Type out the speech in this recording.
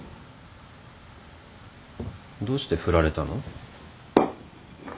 どうして振られたの？